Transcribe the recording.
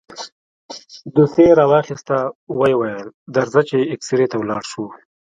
دوسيه يې راواخيسته ويې ويل درځه چې اكسرې ته ولاړ شو.